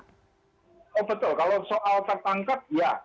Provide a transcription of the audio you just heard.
oh betul kalau soal tertangkap ya